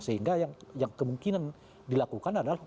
sehingga yang kemungkinan dilakukan adalah